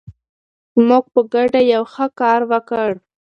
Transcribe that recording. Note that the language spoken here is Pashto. موږ په ګډه یو ښه کار وکړ.